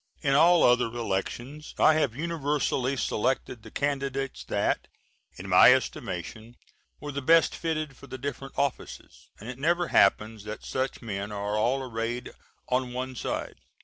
In all other elections I have universally selected the candidates that, in my estimation, were the best fitted for the different offices, and it never happens that such men are all arrayed on one side.